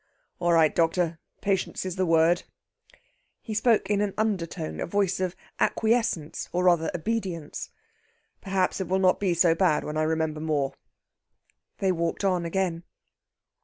"All right, doctor! Patience is the word." He spoke in an undertone a voice of acquiescence, or rather obedience. "Perhaps it will not be so bad when I remember more." They walked on again.